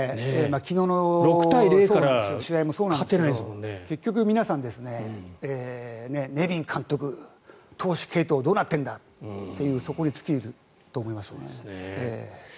昨日の試合もそうなんですが結局皆さんネビン監督、投手継投どうなってるんだというそこに尽きると思います。